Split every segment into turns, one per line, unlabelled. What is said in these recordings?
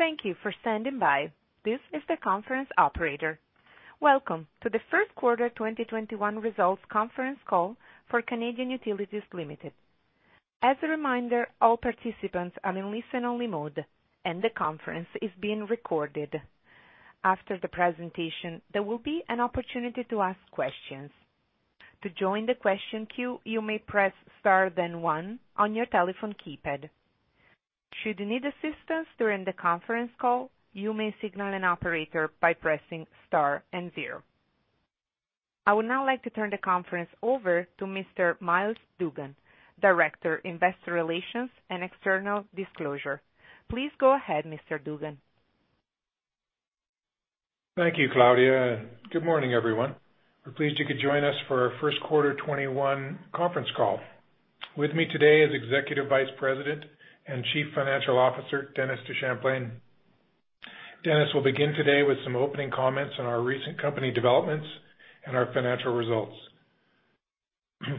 Thank you for standing by. This is the conference operator. Welcome to the first quarter 2021 results conference call for Canadian Utilities Limited. As a reminder, all participants are in listen-only mode and the conference is being recorded. After the presentation, there will be an opportunity to ask questions. To join the question queue, you may press star then one on your telephone keypad. Should you need assistance during the conference call, you may signal an operator by pressing star and zero. I would now like to turn the conference over to Mr. Myles Dougan, Director, Investor Relations and External Disclosure. Please go ahead, Mr. Dougan.
Thank you, Claudia. Good morning, everyone. We're pleased you could join us for our first quarter 2021 conference call. With me today is Executive Vice President and Chief Financial Officer, Dennis DeChamplain. Dennis will begin today with some opening comments on our recent company developments and our financial results.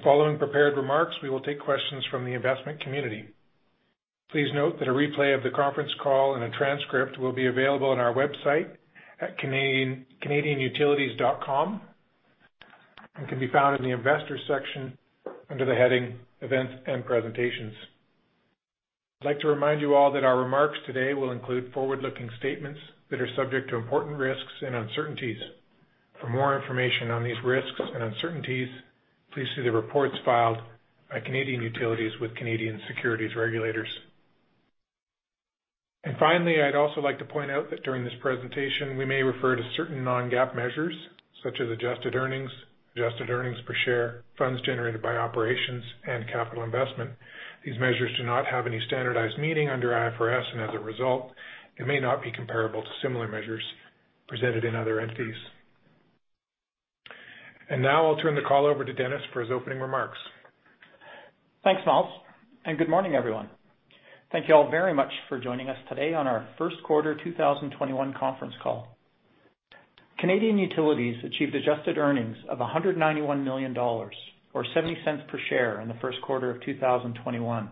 Following prepared remarks, we will take questions from the investment community. Please note that a replay of the conference call and a transcript will be available on our website at canadianutilities.com and can be found in the Investors section under the heading Events and Presentations. I'd like to remind you all that our remarks today will include forward-looking statements that are subject to important risks and uncertainties. For more information on these risks and uncertainties, please see the reports filed by Canadian Utilities with Canadian securities regulators. Finally, I'd also like to point out that during this presentation, we may refer to certain non-GAAP measures such as adjusted earnings, adjusted earnings per share, funds generated by operations, and capital investment. These measures do not have any standardized meaning under IFRS, and as a result, they may not be comparable to similar measures presented in other entities. Now I'll turn the call over to Dennis for his opening remarks.
Thanks, Myles. Good morning, everyone. Thank you all very much for joining us today on our first quarter 2021 conference call. Canadian Utilities achieved adjusted earnings of 191 million dollars or 0.70 per share in the first quarter of 2021,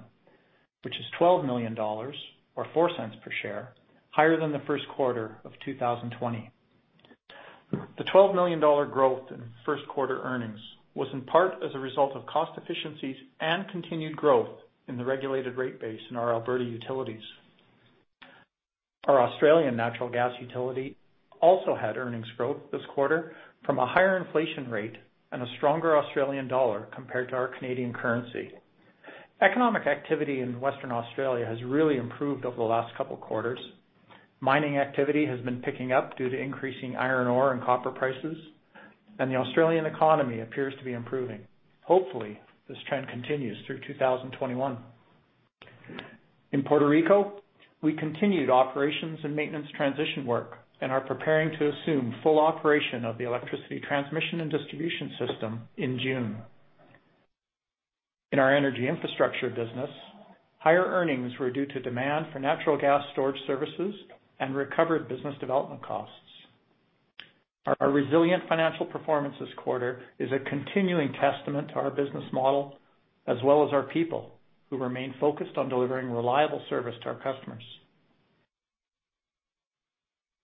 which is 12 million dollars or 0.04 per share higher than the first quarter of 2020. The 12 million dollar growth in first-quarter earnings was in part as a result of cost efficiencies and continued growth in the regulated rate base in our Alberta utilities. Our Australian natural gas utility also had earnings growth this quarter from a higher inflation rate and a stronger Australian dollar compared to our Canadian currency. Economic activity in Western Australia has really improved over the last couple of quarters. Mining activity has been picking up due to increasing iron ore and copper prices, and the Australian economy appears to be improving. Hopefully, this trend continues through 2021. In Puerto Rico, we continued operations and maintenance transition work and are preparing to assume full operation of the electricity transmission and distribution system in June. In our energy infrastructure business, higher earnings were due to demand for natural gas storage services and recovered business development costs. Our resilient financial performance this quarter is a continuing testament to our business model as well as our people who remain focused on delivering reliable service to our customers.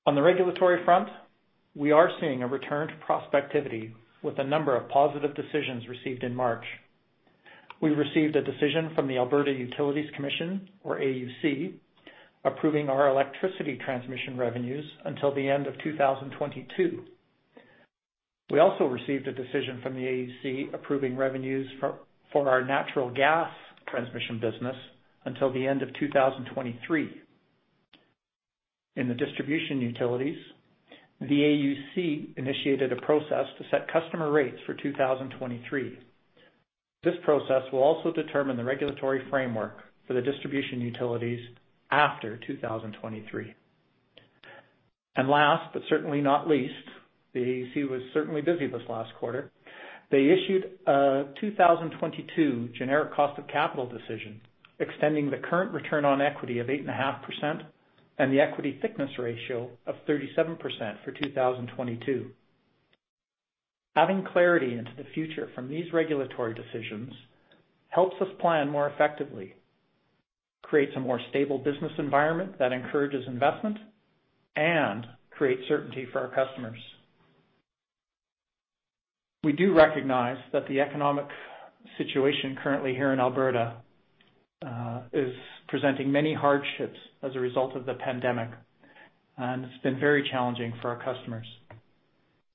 On the regulatory front, we are seeing a return to prospectivity with a number of positive decisions received in March. We received a decision from the Alberta Utilities Commission, or AUC, approving our electricity transmission revenues until the end of 2022. We also received a decision from the AUC approving revenues for our natural gas transmission business until the end of 2023. In the distribution utilities, the AUC initiated a process to set customer rates for 2023. This process will also determine the regulatory framework for the distribution utilities after 2023. Last but certainly not least, the AUC was certainly busy this last quarter. They issued a 2022 generic cost of capital decision extending the current return on equity of 8.5% and the equity thickness ratio of 37% for 2022. Having clarity into the future from these regulatory decisions helps us plan more effectively, creates a more stable business environment that encourages investment, and creates certainty for our customers. We do recognize that the economic situation currently here in Alberta is presenting many hardships as a result of the pandemic, and it's been very challenging for our customers.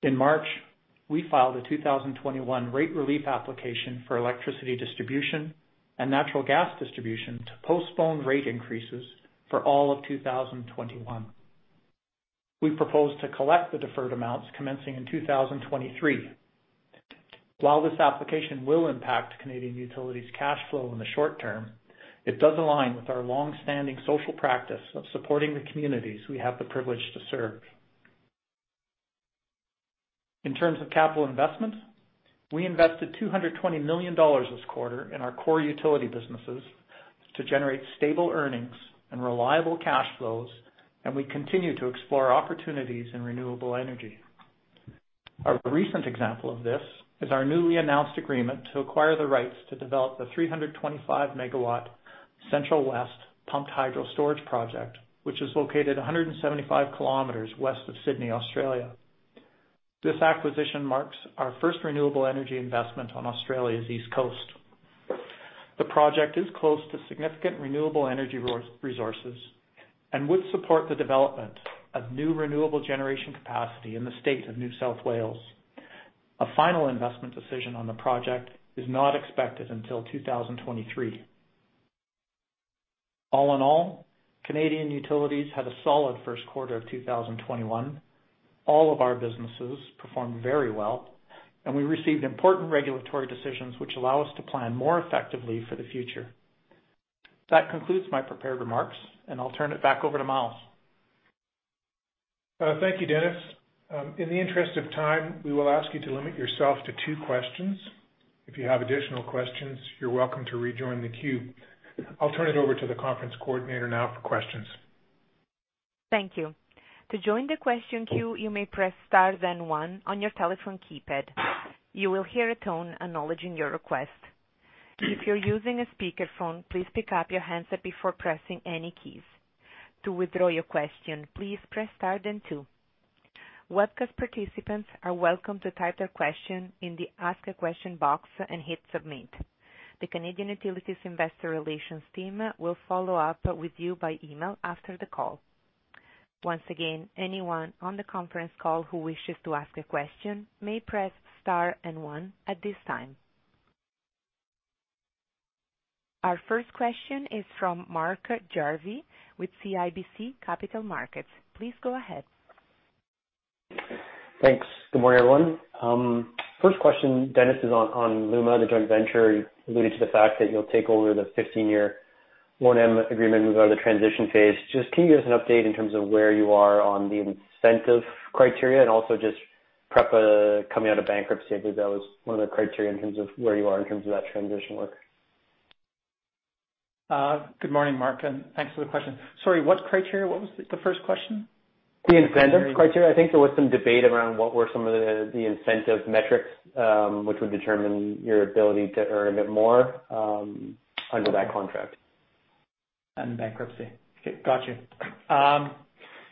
In March, we filed a 2021 rate relief application for electricity distribution and natural gas distribution to postpone rate increases for all of 2021. We propose to collect the deferred amounts commencing in 2023. While this application will impact Canadian Utilities' cash flow in the short term, it does align with our longstanding social practice of supporting the communities we have the privilege to serve. In terms of capital investment, we invested 220 million dollars this quarter in our core utility businesses to generate stable earnings and reliable cash flows, and we continue to explore opportunities in renewable energy. A recent example of this is our newly announced agreement to acquire the rights to develop the 325-MW Central West Pumped Hydro Storage Project, which is located 175 km west of Sydney, Australia. This acquisition marks our first renewable energy investment on Australia's East Coast. The project is close to significant renewable energy resources and would support the development of new renewable generation capacity in the state of New South Wales. A final investment decision on the project is not expected until 2023. All in all, Canadian Utilities had a solid first quarter of 2021. All of our businesses performed very well. We received important regulatory decisions which allow us to plan more effectively for the future. That concludes my prepared remarks, and I'll turn it back over to Myles.
Thank you, Dennis. In the interest of time, we will ask you to limit yourself to two questions. If you have additional questions, you're welcome to rejoin the queue. I'll turn it over to the conference coordinator now for questions.
Thank you. To join the question queue, you may press star then one on your telephone keypad. You will hear a tone acknowledging your request. If you're using a speakerphone, please pick up your handset before pressing any keys. To withdraw your question, please press star then two. Webcast participants are welcome to type their question in the Ask a Question box and hit Submit. The Canadian Utilities investor relations team will follow up with you by email after the call. Once again, anyone on the conference call who wishes to ask a question may press star and one at this time. Our first question is from Mark Jarvi with CIBC Capital Markets. Please go ahead.
Thanks. Good morning, everyone. First question, Dennis, is on LUMA, the joint venture. You alluded to the fact that you'll take over the 15-year O&M agreement, move out of the transition phase. Just can you give us an update in terms of where you are on the incentive criteria and also just PREPA coming out of bankruptcy? I believe that was one of the criteria in terms of where you are in terms of that transition work.
Good morning, Mark. Thanks for the question. Sorry, what criteria? What was the first question?
The incentive criteria. I think there was some debate around what were some of the incentive metrics, which would determine your ability to earn a bit more under that contract.
Bankruptcy. Okay. Got you.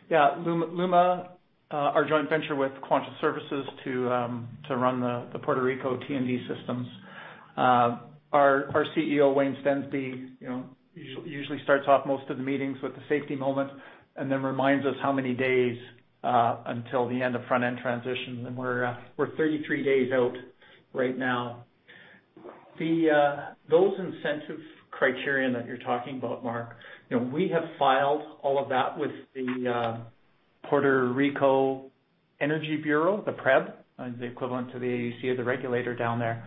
Yeah. LUMA, our joint venture with Quanta Services to run the Puerto Rico T&D systems. Our CEO, Wayne Stensby, usually starts off most of the meetings with a safety moment and then reminds us how many days until the end of front-end transition. We're 33 days out right now. Those incentive criterion that you're talking about, Mark, we have filed all of that with the Puerto Rico Energy Bureau, the PREB, the equivalent to the AUC or the regulator down there.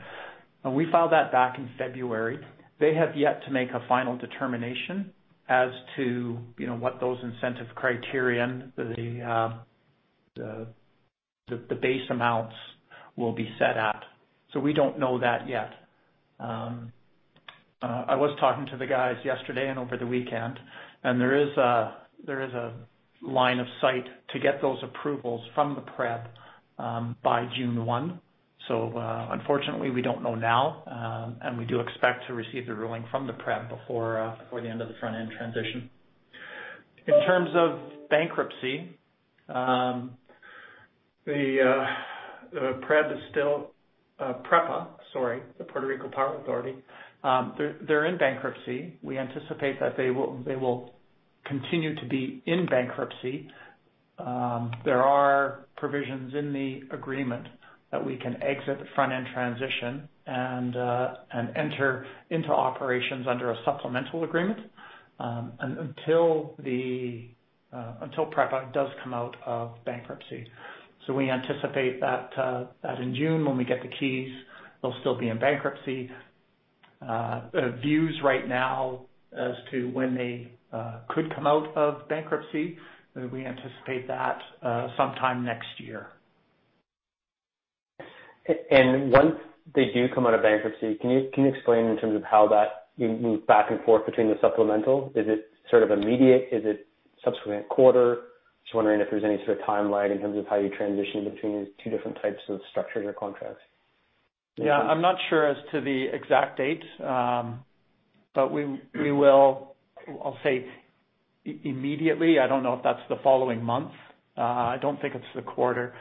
We filed that back in February. They have yet to make a final determination as to what those incentive criterion, the base amounts will be set at. We don't know that yet. I was talking to the guys yesterday and over the weekend, there is a line of sight to get those approvals from the PREB by June 1. Unfortunately, we don't know now, and we do expect to receive the ruling from the PREB before the end of the front-end transition. In terms of bankruptcy, PREPA, sorry, the Puerto Rico Electric Power Authority. They're in bankruptcy. We anticipate that they will continue to be in bankruptcy. There are provisions in the agreement that we can exit the front-end transition and enter into operations under a supplemental agreement until PREPA does come out of bankruptcy. We anticipate that in June when we get the keys, they'll still be in bankruptcy. Views right now as to when they could come out of bankruptcy, we anticipate that sometime next year.
Once they do come out of bankruptcy, can you explain in terms of how that you move back and forth between the supplemental? Is it sort of immediate? Is it subsequent quarter? Just wondering if there is any sort of timeline in terms of how you transition between those two different types of structure in your contracts?
Yeah, I'm not sure as to the exact date. We will, I'll say immediately. I don't know if that's the following month. I don't think it's the quarter.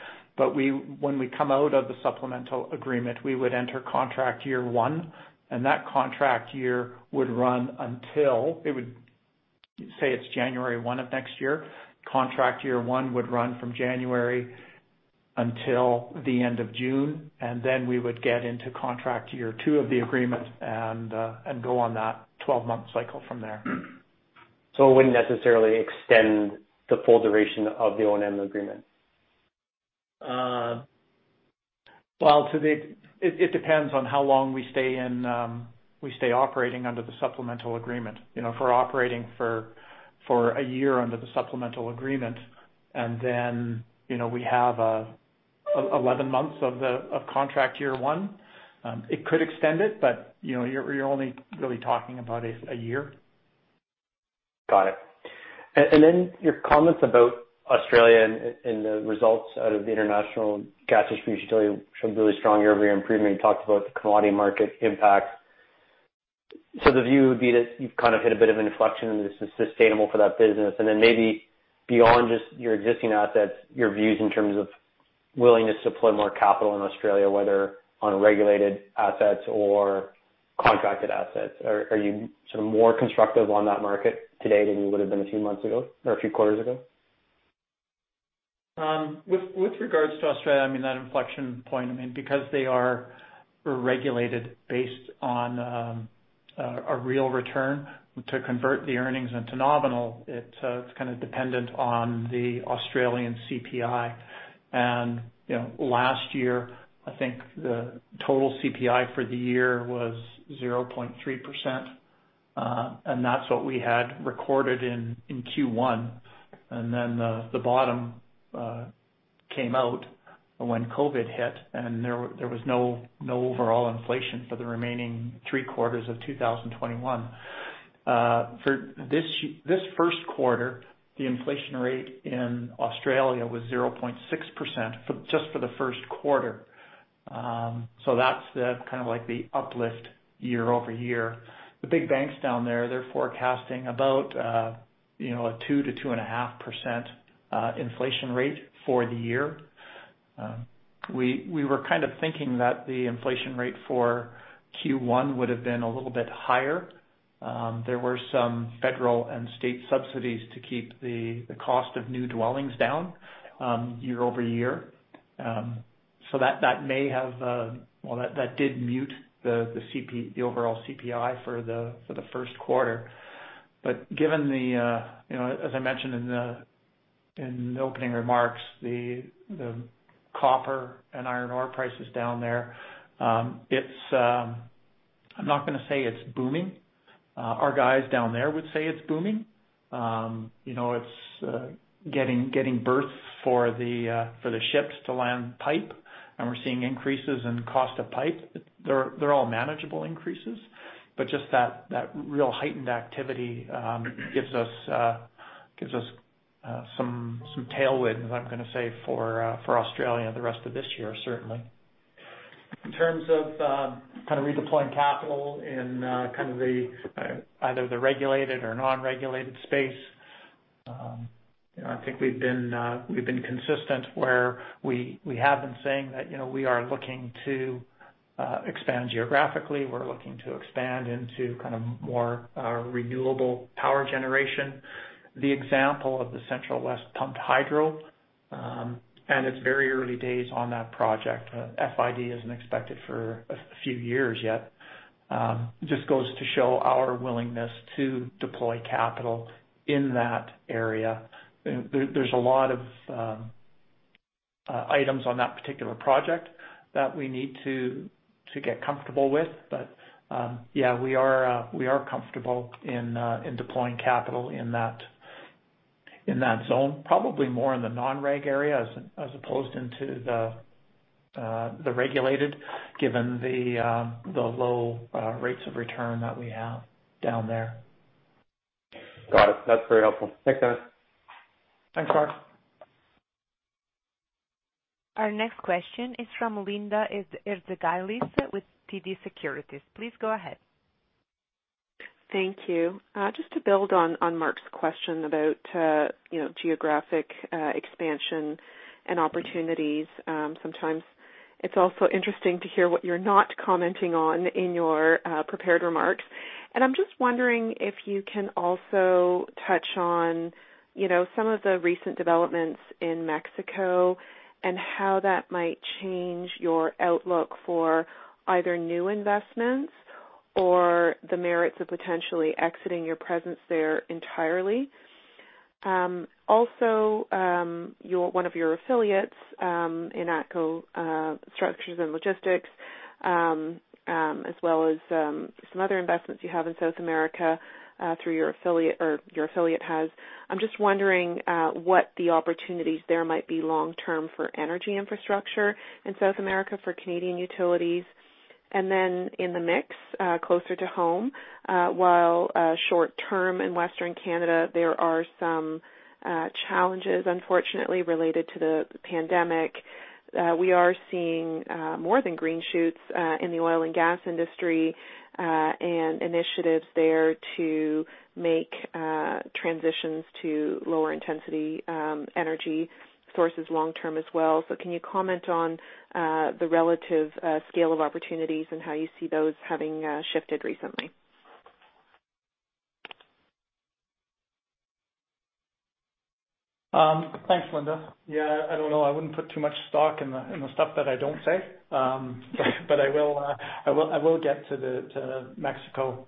When we come out of the supplemental agreement, we would enter contract year one, and that contract year would run until, say it's January 1 of next year. Contract year one would run from January until the end of June. We would get into contract year two of the agreement and go on that 12-month cycle from there.
It wouldn't necessarily extend the full duration of the O&M agreement.
Well, it depends on how long we stay operating under the supplemental agreement. If we're operating for a year under the supplemental agreement and then we have 11 months of contract year one, it could extend it, but you're only really talking about a year.
Got it. Your comments about Australia and the results out of the international gas distribution showed really strong year-over-year improvement. You talked about the commodity market impact. The view would be that you've kind of hit a bit of an inflection and this is sustainable for that business, and then maybe beyond just your existing assets, your views in terms of willingness to deploy more capital in Australia, whether on regulated assets or contracted assets. Are you more constructive on that market today than you would have been a few months ago or a few quarters ago?
With regards to Australia, that inflection point, because they are regulated based on a real return to convert the earnings into nominal, it's kind of dependent on the Australian CPI. Last year, I think the total CPI for the year was 0.3%, and that's what we had recorded in Q1. Then the bottom came out when COVID hit, and there was no overall inflation for the remaining three quarters of 2021. For this first quarter, the inflation rate in Australia was 0.6% just for the first quarter. That's kind of like the uplift year-over-year. The big banks down there, they're forecasting about a 2%-2.5% inflation rate for the year. We were kind of thinking that the inflation rate for Q1 would have been a little bit higher. There were some federal and state subsidies to keep the cost of new dwellings down year-over-year. That may have, that did mute the overall CPI for the first quarter. Given the, as I mentioned in the opening remarks, the copper and iron ore prices down there, I'm not going to say it's booming. Our guys down there would say it's booming. It's getting berths for the ships to land pipe, and we're seeing increases in cost of pipe. They're all manageable increases, but just that real heightened activity gives us some tailwind, as I'm going to say, for Australia the rest of this year, certainly. In terms of kind of redeploying capital in kind of either the regulated or non-regulated space, I think we've been consistent where we have been saying that we are looking to expand geographically. We're looking to expand into kind of more renewable power generation. The example of the Central West Pumped Hydro, and it's very early days on that project. FID isn't expected for a few years yet. Just goes to show our willingness to deploy capital in that area. There's a lot of items on that particular project that we need to get comfortable with. Yeah, we are comfortable in deploying capital in that zone, probably more in the non-reg area as opposed into the regulated, given the low rates of return that we have down there.
Got it. That's very helpful. Thanks, guys.
Thanks, Mark.
Our next question is from Linda Ezergailis with TD Securities. Please go ahead.
Thank you. Just to build on Mark's question about geographic expansion and opportunities. Sometimes it is also interesting to hear what you are not commenting on in your prepared remarks. I am just wondering if you can also touch on some of the recent developments in Mexico and how that might change your outlook for either new investments or the merits of potentially exiting your presence there entirely. Also, one of your affiliates in ATCO Structures & Logistics, as well as some other investments you have in South America through your affiliate, or your affiliate has. I am just wondering what the opportunities there might be long-term for energy infrastructure in South America for Canadian Utilities. Then in the mix, closer to home, while short-term in Western Canada, there are some challenges, unfortunately, related to the pandemic. We are seeing more than green shoots in the oil and gas industry and initiatives there to make transitions to lower-intensity energy sources long-term as well. Can you comment on the relative scale of opportunities and how you see those having shifted recently?
Thanks, Linda. Yeah, I don't know. I wouldn't put too much stock in the stuff that I don't say. I will get to Mexico.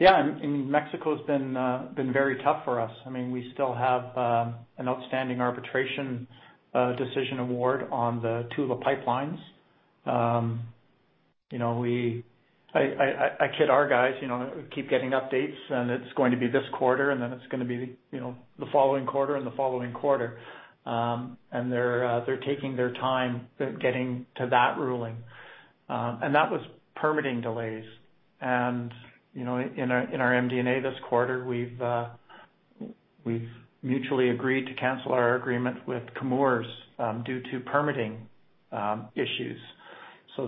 Yeah, Mexico's been very tough for us. We still have an outstanding arbitration decision award on the two of the pipelines. You know, we, I kid our guys, keep getting updates, it's going to be this quarter, then it's going to be the following quarter, the following quarter. They're taking their time getting to that ruling. That was permitting delays. In our MD&A this quarter, we've mutually agreed to cancel our agreement with Chemours due to permitting issues.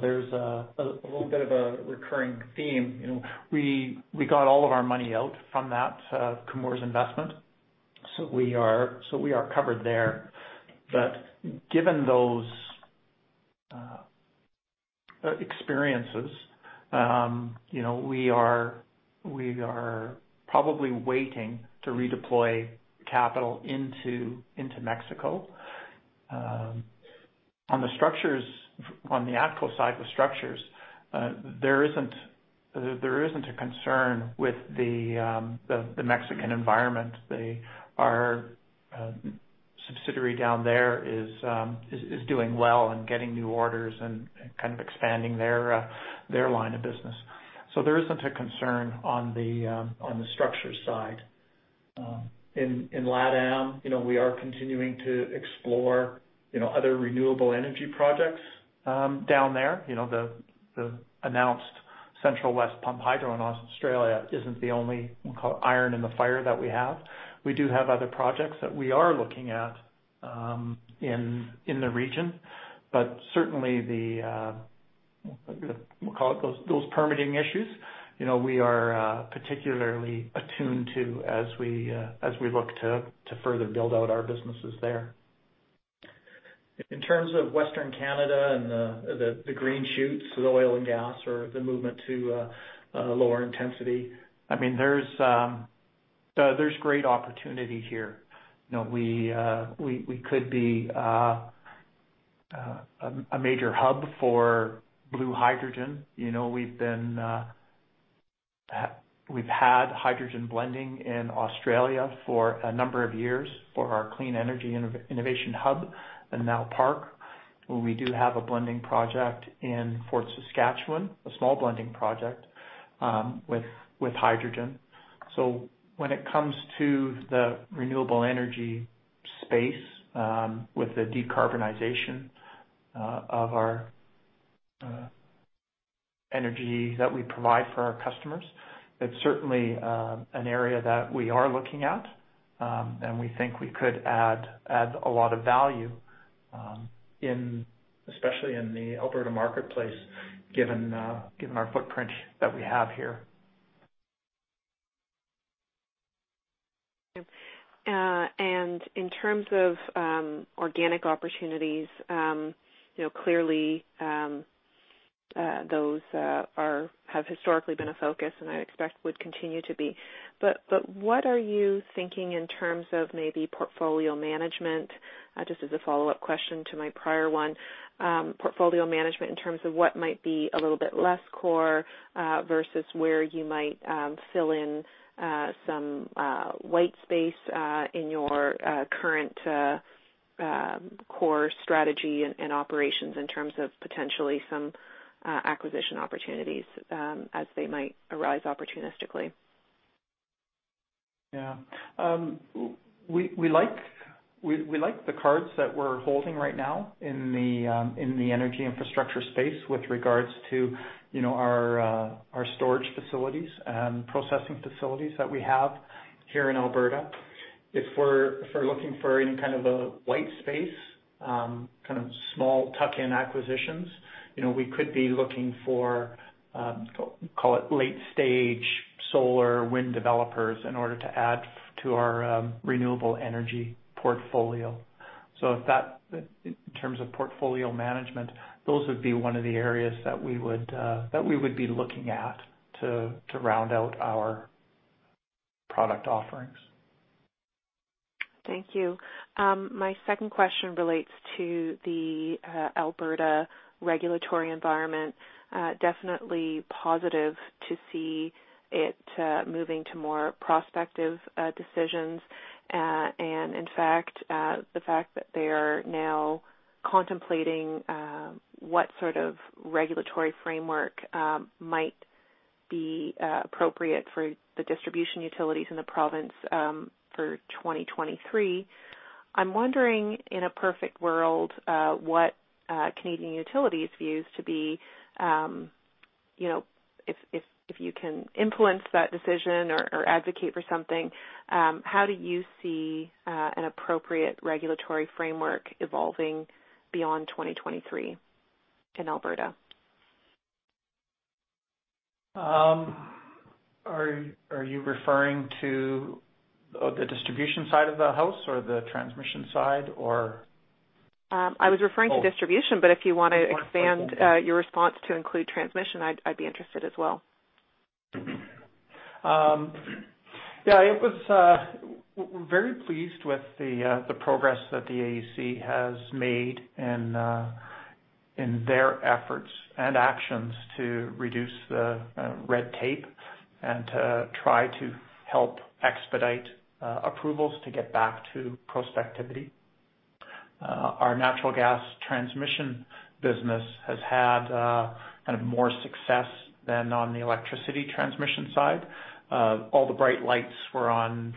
There's a little bit of a recurring theme. We got all of our money out from that Chemours investment. We are covered there. Given those experiences, we are probably waiting to redeploy capital into Mexico. On the ATCO side with structures, there isn't a concern with the Mexican environment. Their subsidiary down there is doing well and getting new orders and kind of expanding their line of business. There isn't a concern on the structures side. In LATAM, we are continuing to explore other renewable energy projects down there. The announced Central West Pumped Hydro in Australia isn't the only, we'll call it iron in the fire that we have. We do have other projects that we are looking at in the region, certainly the, we'll call it those permitting issues, we are particularly attuned to as we look to further build out our businesses there. In terms of Western Canada and the green shoots of the oil and gas or the movement to lower intensity, there's great opportunity here. We could be a major hub for blue hydrogen. We've had hydrogen blending in Australia for a number of years for our clean energy innovation hub in Park, where we do have a blending project in Fort Saskatchewan, a small blending project with hydrogen. When it comes to the renewable energy space with the decarbonization of our energy that we provide for our customers, it's certainly an area that we are looking at. We think we could add a lot of value, especially in the Alberta marketplace, given our footprint that we have here.
In terms of organic opportunities, clearly, those have historically been a focus, and I expect would continue to be. What are you thinking in terms of maybe portfolio management, just as a follow-up question to my prior one, portfolio management in terms of what might be a little bit less core, versus where you might fill in some white space in your current core strategy and operations in terms of potentially some acquisition opportunities as they might arise opportunistically?
Yeah. We like the cards that we're holding right now in the energy infrastructure space with regards to our storage facilities and processing facilities that we have here in Alberta. If we're looking for any kind of a white space, kind of small tuck-in acquisitions, we could be looking for, call it late-stage solar wind developers in order to add to our renewable energy portfolio. In terms of portfolio management, those would be one of the areas that we would be looking at to round out our product offerings.
Thank you. My second question relates to the Alberta regulatory environment. Definitely positive to see it moving to more prospective decisions. In fact, the fact that they are now contemplating what sort of regulatory framework might be appropriate for the distribution utilities in the province for 2023. I'm wondering, in a perfect world, what Canadian Utilities views to be, if you can influence that decision or advocate for something, how do you see an appropriate regulatory framework evolving beyond 2023 in Alberta?
Are you referring to the distribution side of the house or the transmission side, or-
I was referring to distribution, but if you want to expand your response to include transmission, I'd be interested as well.
Yeah. We're very pleased with the progress that the AUC has made in their efforts and actions to reduce the red tape and to try to help expedite approvals to get back to prospectivity. Our natural gas transmission business has had kind of more success than on the electricity transmission side. All the bright lights were on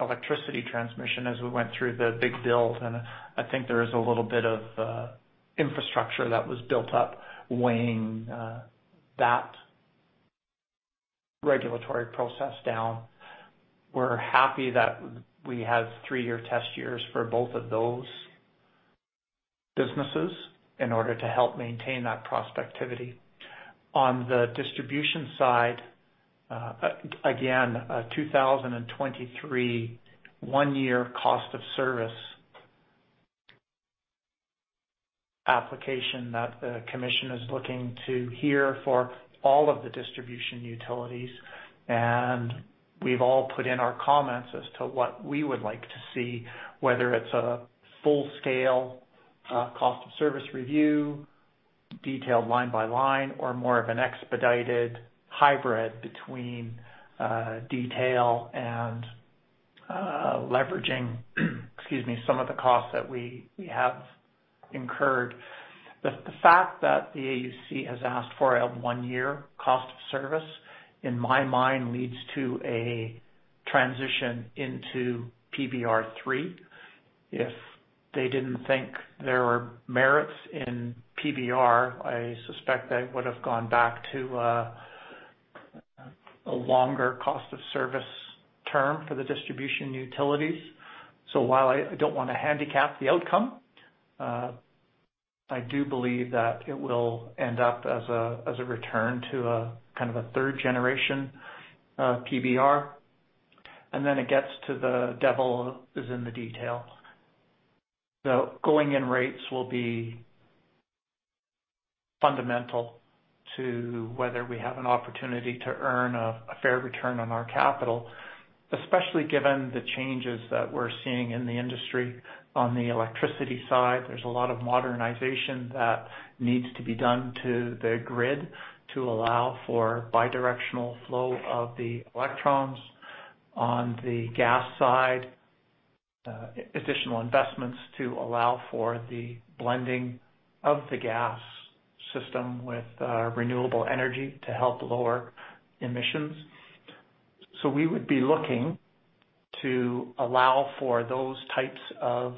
electricity transmission as we went through the big build, and I think there is a little bit of infrastructure that was built up weighing that regulatory process down. We're happy that we have three-year test years for both of those businesses in order to help maintain that prospectivity. On the distribution side, again, a 2023 one-year cost of service application that the commission is looking to hear for all of the distribution utilities. We've all put in our comments as to what we would like to see, whether it's a full-scale, cost of service review detailed line by line or more of an expedited hybrid between detail and leveraging, excuse me, some of the costs that we have incurred. The fact that the AUC has asked for a one-year cost of service, in my mind, leads to a transition into PBR3. If they didn't think there were merits in PBR, I suspect they would've gone back to a longer cost of service term for the distribution utilities. While I don't want to handicap the outcome, I do believe that it will end up as a return to a kind of a third-generation PBR. It gets to the devil is in the detail. The going-in rates will be fundamental to whether we have an opportunity to earn a fair return on our capital, especially given the changes that we're seeing in the industry. On the electricity side, there's a lot of modernization that needs to be done to the grid to allow for bidirectional flow of the electrons. On the gas side, additional investments to allow for the blending of the gas system with renewable energy to help lower emissions. We would be looking to allow for those types of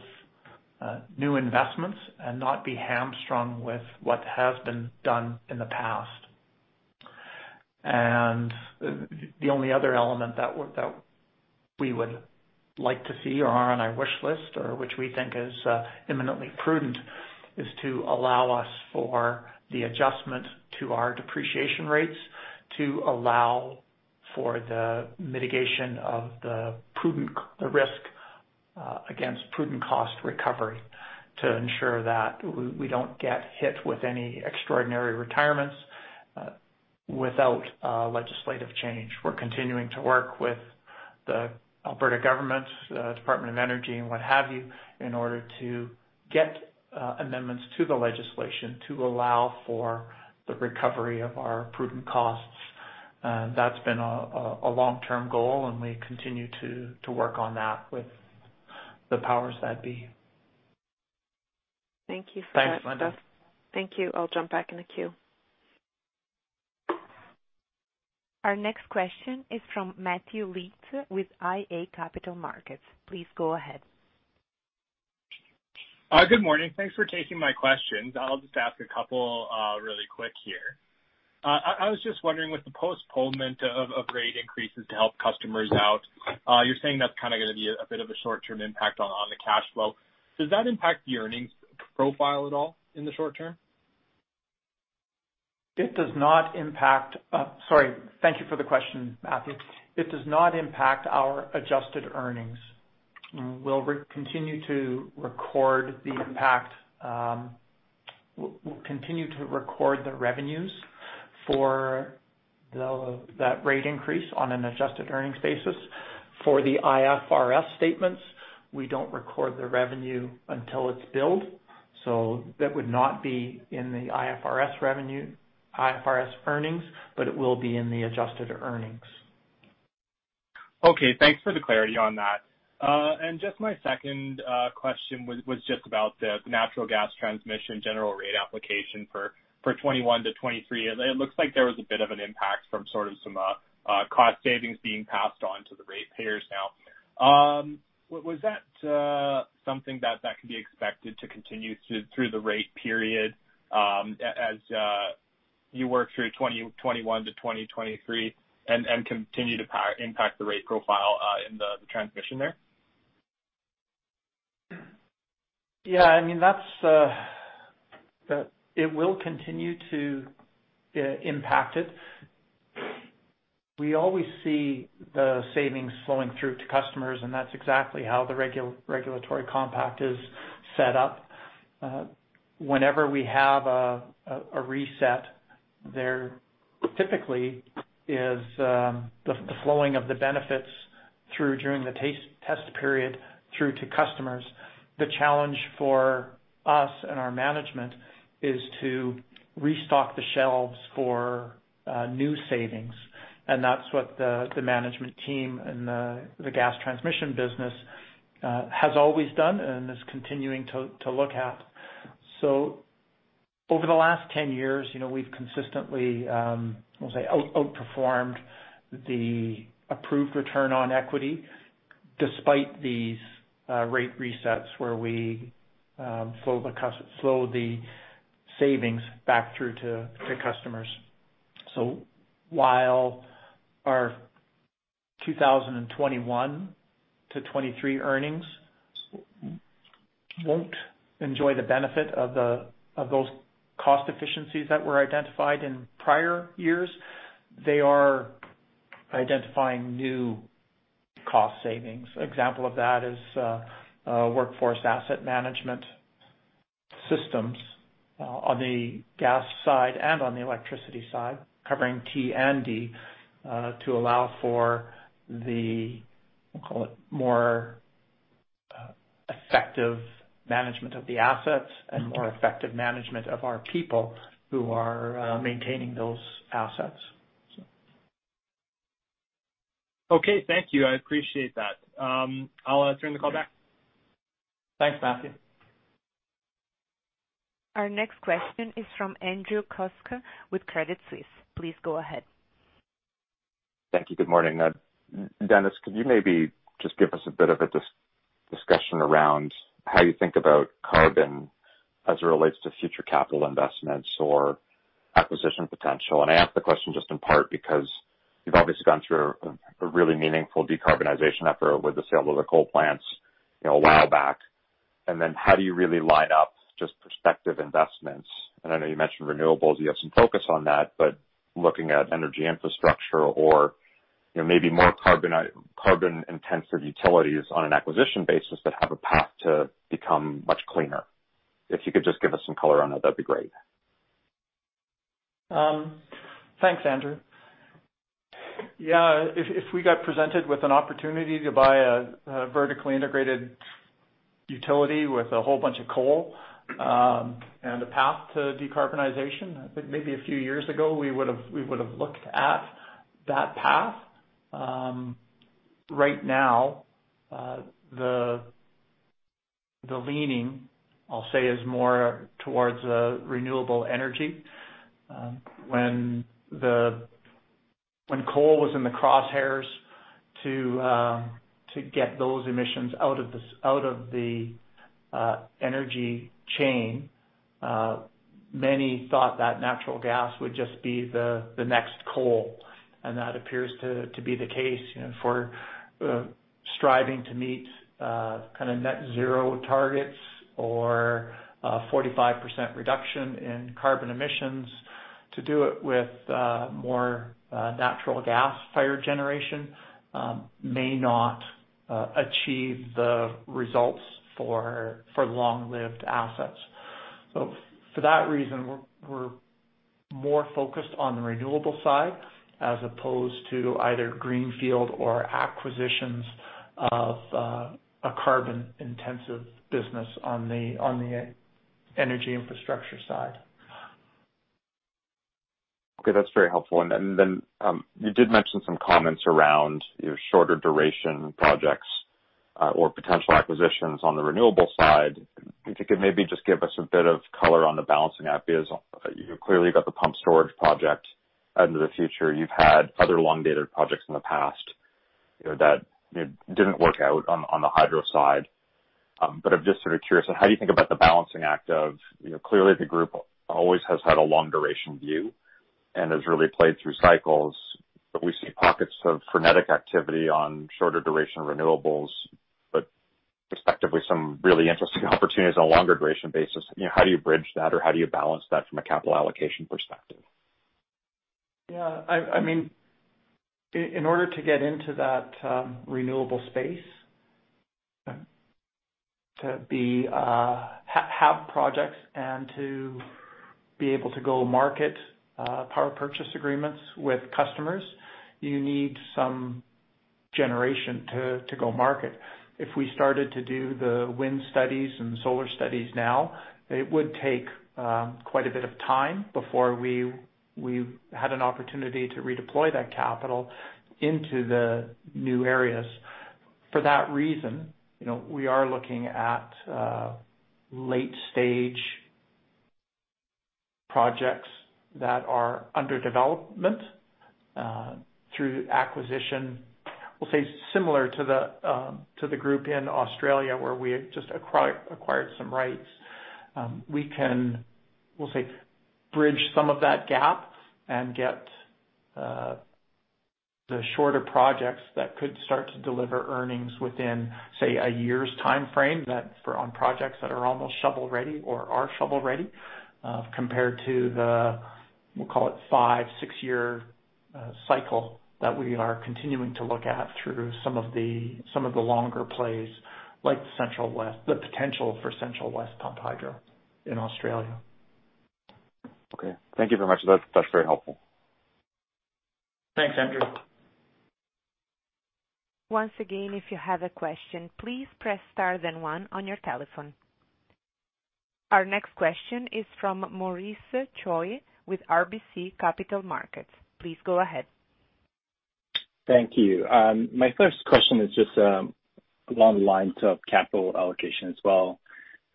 new investments and not be hamstrung with what has been done in the past. The only other element that we would like to see or are on our wish list, or which we think is imminently prudent, is to allow us for the adjustment to our depreciation rates to allow for the mitigation of the risk against prudent cost recovery to ensure that we don't get hit with any extraordinary retirements without legislative change. We're continuing to work with the Alberta government, Department of Energy and what have you, in order to get amendments to the legislation to allow for the recovery of our prudent costs. That's been a long-term goal, and we continue to work on that with the powers that be.
Thank you for that.
Thanks, Linda.
Thank you. I'll jump back in the queue.
Our next question is from Matthew Weekes with iA Capital Markets. Please go ahead.
Good morning. Thanks for taking my questions. I'll just ask a couple really quick here. I was just wondering, with the postponement of rate increases to help customers out, you're saying that's kind of going to be a bit of a short-term impact on the cash flow. Does that impact the earnings profile at all in the short term?
It does not impact. Sorry. Thank you for the question, Matthew. It does not impact our adjusted earnings. We will continue to record the impact. We will continue to record the revenues for that rate increase on an adjusted earnings basis. For the IFRS statements, we do not record the revenue until it is billed, so that would not be in the IFRS earnings, but it will be in the adjusted earnings.
Okay. Thanks for the clarity on that. My second question was just about the natural gas transmission general rate application for 2021 to 2023. It looks like there was a bit of an impact from sort of some cost savings being passed on to the ratepayers now. Was that something that could be expected to continue through the rate period, as you work through 2021 to 2023 and continue to impact the rate profile in the transmission there?
It will continue to impact it. We always see the savings flowing through to customers, and that's exactly how the regulatory compact is set up. Whenever we have a reset, there typically is the flowing of the benefits through during the test period through to customers. The challenge for us and our management is to restock the shelves for new savings, and that's what the management team and the gas transmission business has always done and is continuing to look at. Over the last 10 years, we've consistently, I'll say, outperformed the approved return on equity. Despite these rate resets where we flow the savings back through to customers. While our 2021 to 2023 earnings won't enjoy the benefit of those cost efficiencies that were identified in prior years, they are identifying new cost savings. Example of that is workforce asset management systems on the gas side and on the electricity side, covering T&D, to allow for the, we'll call it, more effective management of the assets and more effective management of our people who are maintaining those assets.
Okay. Thank you. I appreciate that. I'll turn the call back.
Thanks, Matthew.
Our next question is from Andrew Kuske with Credit Suisse. Please go ahead.
Thank you. Good morning. Dennis, could you maybe just give us a bit of a discussion around how you think about carbon as it relates to future capital investments or acquisition potential? I ask the question just in part because you've obviously gone through a really meaningful decarbonization effort with the sale of the coal plants a while back. How do you really line up just prospective investments? I know you mentioned renewables, you have some focus on that, but looking at energy infrastructure or maybe more carbon-intensive utilities on an acquisition basis that have a path to become much cleaner. If you could just give us some color on that'd be great.
Thanks, Andrew. Yeah. If we got presented with an opportunity to buy a vertically integrated utility with a whole bunch of coal, and a path to decarbonization, I think maybe a few years ago, we would've looked at that path. Right now, the leaning, I'll say, is more towards renewable energy. When coal was in the crosshairs to get those emissions out of the energy chain, many thought that natural gas would just be the next coal, and that appears to be the case. For striving to meet net zero targets or a 45% reduction in carbon emissions, to do it with more natural gas fired generation may not achieve the results for long-lived assets. For that reason, we're more focused on the renewable side as opposed to either greenfield or acquisitions of a carbon-intensive business on the energy infrastructure side.
Okay. That's very helpful. You did mention some comments around your shorter duration projects or potential acquisitions on the renewable side. If you could maybe just give us a bit of color on the balancing act, because you've clearly got the pump storage project out into the future. You've had other long-dated projects in the past that didn't work out on the hydro side. I'm just sort of curious on how you think about the balancing act of, clearly the group always has had a long duration view and has really played through cycles, but we see pockets of frenetic activity on shorter duration renewables, but respectively some really interesting opportunities on a longer duration basis. How do you bridge that or how do you balance that from a capital allocation perspective?
Yeah. I mean, in order to get into that renewable space, to have projects and to be able to go market power purchase agreements with customers, you need some generation to go market. If we started to do the wind studies and solar studies now, it would take quite a bit of time before we had an opportunity to redeploy that capital into the new areas. For that reason, we are looking at late-stage projects that are under development, through acquisition, we'll say, similar to the group in Australia where we just acquired some rights. We can, we'll say, bridge some of that gap and get the shorter projects that could start to deliver earnings within, say, a year's timeframe, on projects that are almost shovel-ready or are shovel-ready, compared to the, we'll call it five, six-year cycle that we are continuing to look at through some of the longer plays like the potential for Central West Pumped Hydro in Australia.
Okay. Thank you very much. That's very helpful.
Thanks, Andrew.
Once again, if you have a question, please press star then one on your telephone. Our next question is from Maurice Choy with RBC Capital Markets. Please go ahead.
Thank you. My first question is just along the lines of capital allocation as well.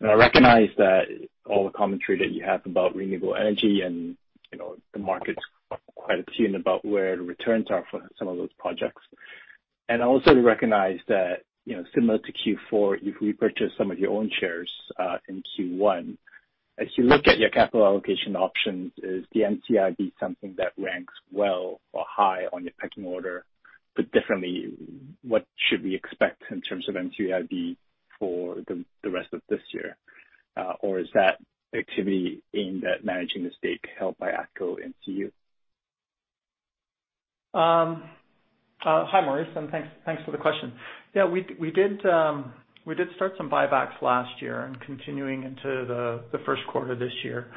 I recognize that all the commentary that you have about renewable energy and the market's quite attuned about where the returns are for some of those projects. I also recognize that similar to Q4, you've repurchased some of your own shares in Q1. As you look at your capital allocation options, is the NCIB something that ranks well or high on your pecking order, but differently, what should we expect in terms of NCIB for the rest of this year? Is that activity aimed at managing the stake held by ATCO and CU?
Hi, Maurice, and thanks for the question. Yeah, we did start some buybacks last year and continuing into the first quarter of this year.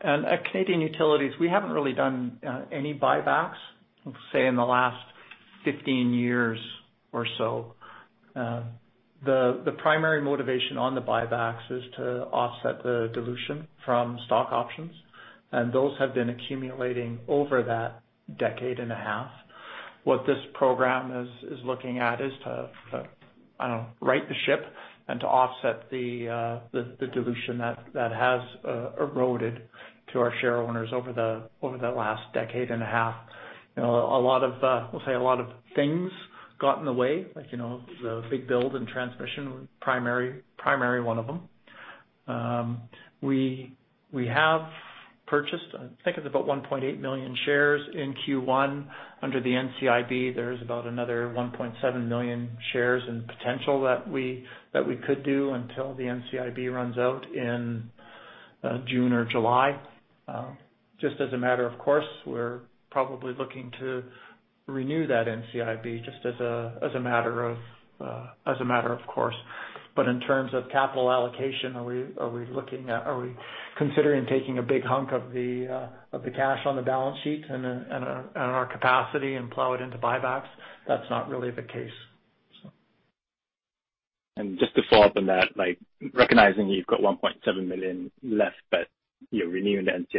At Canadian Utilities, we haven't really done any buybacks, say, in the last 15 years or so. The primary motivation on the buybacks is to offset the dilution from stock options, and those have been accumulating over that decade and a half. What this program is looking at is to right the ship and to offset the dilution that has eroded to our shareowners over the last decade and a half. We'll say a lot of things got in the way, like, the big build in transmission, primary one of them. We have purchased, I think it's about 1.8 million shares in Q1 under the NCIB. There is about another 1.7 million shares in potential that we could do until the NCIB runs out in June or July. Just as a matter of course, we are probably looking to renew that NCIB just as a matter of course. In terms of capital allocation, are we considering taking a big hunk of the cash on the balance sheet and our capacity and plow it into buybacks? That is not really the case.
Just to follow up on that, recognizing you've got 1.7 million left, but you're renewing the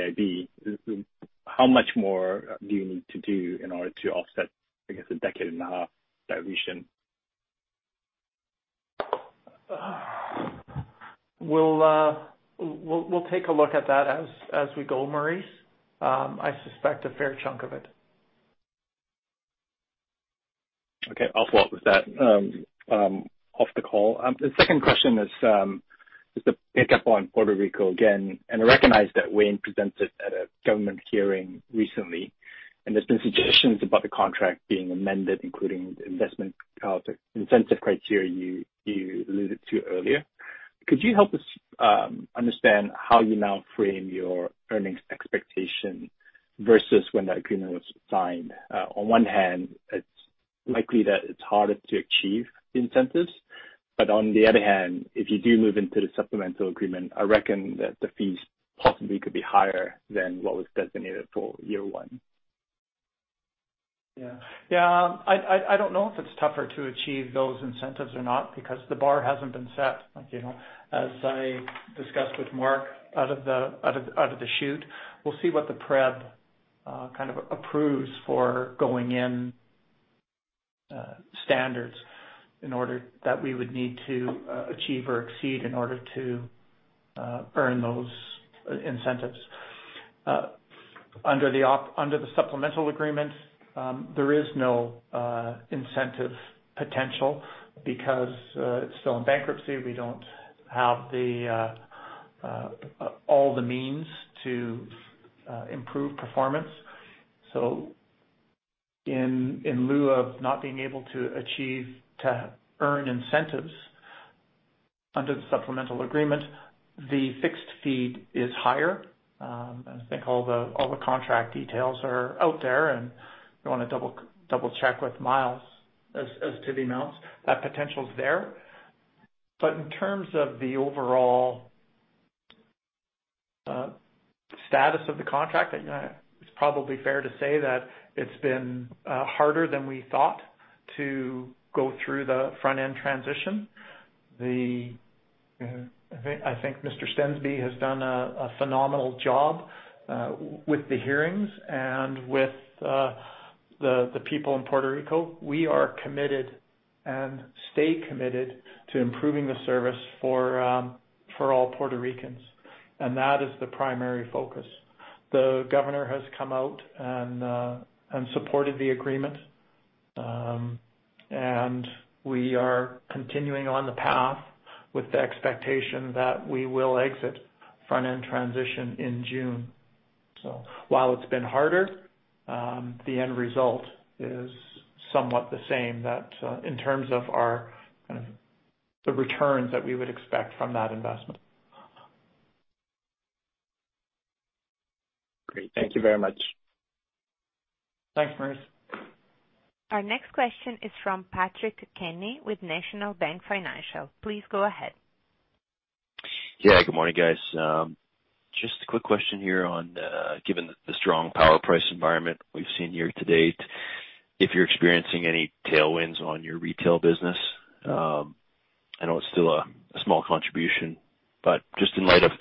NCIB, how much more do you need to do in order to offset, I guess, a decade and a half dilution?
We'll take a look at that as we go, Maurice. I suspect a fair chunk of it.
Okay. I'll follow up with that off the call. The second question is to pick up on Puerto Rico again. I recognize that Wayne presented at a government hearing recently, and there's been suggestions about the contract being amended, including the investment incentive criteria you alluded to earlier. Could you help us understand how you now frame your earnings expectation versus when that agreement was signed? One hand, it's likely that it's harder to achieve the incentives, but on the other hand, if you do move into the supplemental agreement, I reckon that the fees possibly could be higher than what was designated for year one.
Yeah. I don't know if it's tougher to achieve those incentives or not because the bar hasn't been set. As I discussed with Mark out of the chute, we'll see what the PREB approves for going in standards that we would need to achieve or exceed in order to earn those incentives. Under the supplemental agreements, there is no incentive potential because it's still in bankruptcy. We don't have all the means to improve performance. In lieu of not being able to earn incentives under the supplemental agreement, the fixed fee is higher. I think all the contract details are out there, and if you want to double-check with Myles as to the amounts. That potential's there. In terms of the overall status of the contract, it's probably fair to say that it's been harder than we thought to go through the front-end transition. I think Mr. Stensby has done a phenomenal job with the hearings and with the people in Puerto Rico. We are committed and stay committed to improving the service for all Puerto Ricans, and that is the primary focus. The governor has come out and supported the agreement, and we are continuing on the path with the expectation that we will exit front-end transition in June. While it's been harder, the end result is somewhat the same in terms of the returns that we would expect from that investment.
Great. Thank you very much.
Thanks, Maurice.
Our next question is from Patrick Kenny with National Bank Financial. Please go ahead.
Yeah. Good morning, guys. Just a quick question here given the strong power price environment we've seen year to date, if you're experiencing any tailwinds on your retail business. I know it's still a small contribution, but just in light of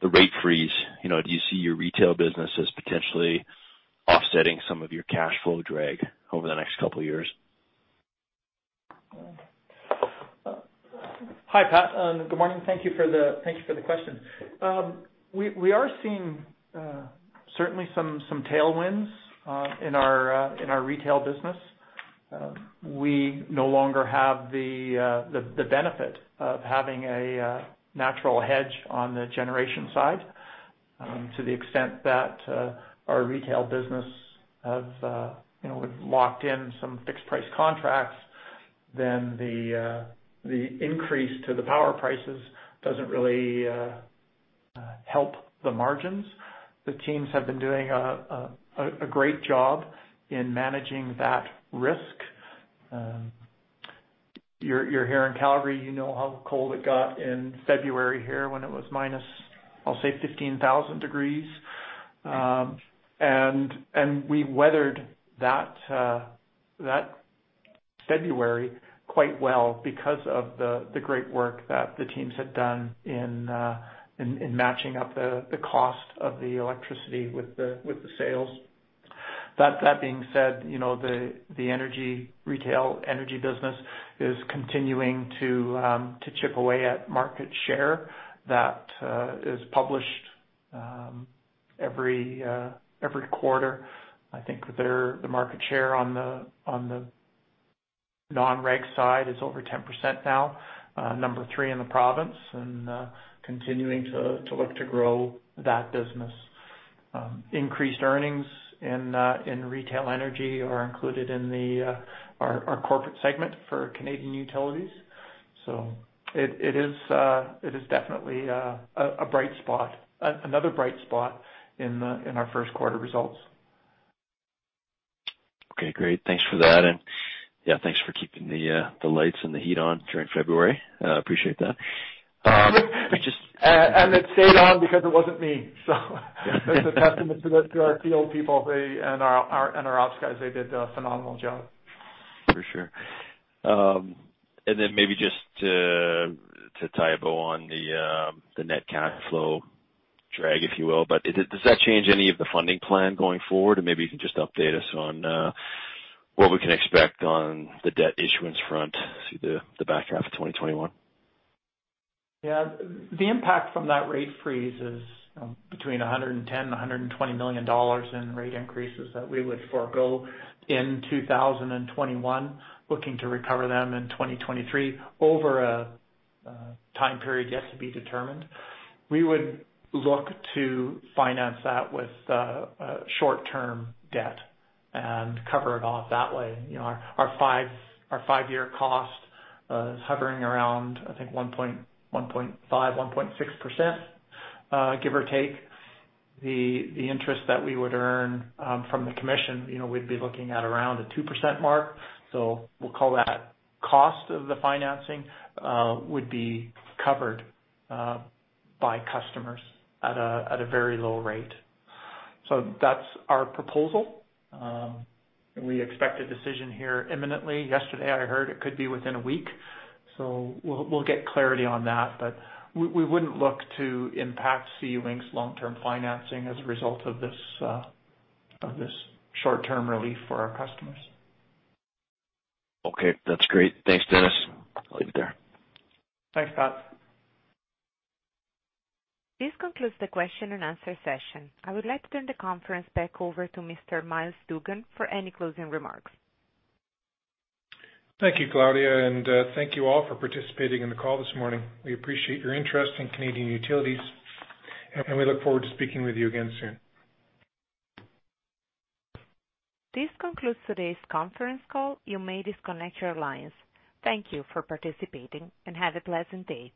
the rate freeze, do you see your retail business as potentially offsetting some of your cash flow drag over the next couple of years?
Hi, Pat. Good morning. Thank you for the question. We are seeing certainly some tailwinds in our retail business. We no longer have the benefit of having a natural hedge on the generation side to the extent that our retail business have locked in some fixed price contracts, the increase to the power prices doesn't really help the margins. The teams have been doing a great job in managing that risk. You're here in Calgary, you know how cold it got in February here when it was minus, I'll say, 15,000 degrees. We weathered that February quite well because of the great work that the teams had done in matching up the cost of the electricity with the sales. That being said, the retail energy business is continuing to chip away at market share that is published every quarter. I think the market share on the non-reg side is over 10% now. Number 3 in the province, continuing to look to grow that business. Increased earnings in retail energy are included in our corporate segment for Canadian Utilities. It is definitely another bright spot in our first quarter results.
Okay, great. Thanks for that. Yeah, thanks for keeping the lights and the heat on during February. I appreciate that.
It stayed on because it wasn't me. That's a testament to our field people and our ops guys. They did a phenomenal job.
For sure. Maybe just to tie a bow on the net cash flow drag, if you will, does that change any of the funding plan going forward? Maybe you can just update us on what we can expect on the debt issuance front through the back half of 2021.
Yeah. The impact from that rate freeze is between 110 million and 120 million dollars in rate increases that we would forego in 2021, looking to recover them in 2023 over a time period yet to be determined. We would look to finance that with short-term debt and cover it off that way. Our five-year cost is hovering around, I think, 1.5%, 1.6%, give or take. The interest that we would earn from the commission, we'd be looking at around the 2% mark. We'll call that cost of the financing would be covered by customers at a very low rate. That's our proposal. We expect a decision here imminently. Yesterday, I heard it could be within a week. We'll get clarity on that. But we wouldn't look to impact CU Inc.'s Long-term financing as a result of this short-term relief for our customers.
Okay. That's great. Thanks, Dennis. I'll leave it there.
Thanks, Pat.
This concludes the question and answer session. I would like to turn the conference back over to Mr. Myles Dougan for any closing remarks.
Thank you, Claudia, and thank you all for participating in the call this morning. We appreciate your interest in Canadian Utilities, and we look forward to speaking with you again soon.
This concludes today's conference call. You may disconnect your lines. Thank you for participating, and have a pleasant day.